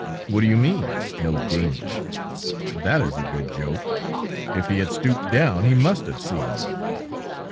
"What do you mean? ... No danger? That is a good joke! ... If he had stooped down, he must have seen me."